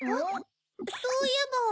そういえば。